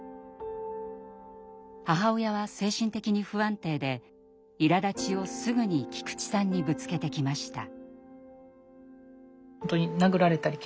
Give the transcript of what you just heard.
母親は精神的に不安定でいらだちをすぐに菊池さんにぶつけてきました。